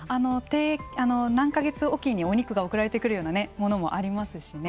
何か月おきにお肉が送られてくるようなものもありますしね。